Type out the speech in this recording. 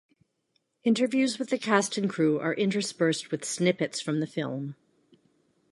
Interviews with the cast and crew are interspersed with snippets from the film.